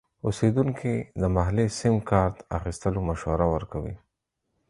اوسیدونکي د محلي سیم کارت اخیستلو مشوره ورکوي.